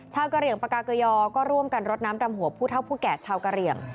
กะเหลี่ยงปากาเกยอก็ร่วมกันรดน้ำดำหัวผู้เท่าผู้แก่ชาวกะเหลี่ยง